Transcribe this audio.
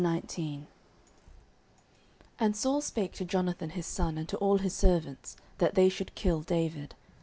09:019:001 And Saul spake to Jonathan his son, and to all his servants, that they should kill David.